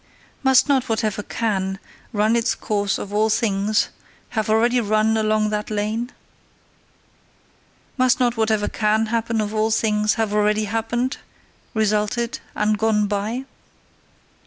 Must not whatever CAN run its course of all things, have already run along that lane? Must not whatever CAN happen of all things have already happened, resulted, and gone by?